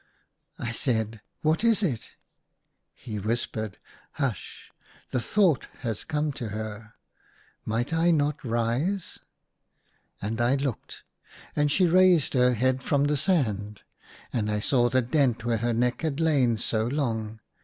I said, " What is it ?" He whispered " Hush ! the thought has come to her, ' Might I not rise ?'" And I looked. And she raised her head from the sand, and I saw the dent THREE DREAMS IN A DESERT. 7^ where her neck had lain so long.